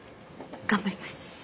頑張ります。